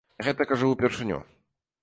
Я гэта кажу ўпершыню.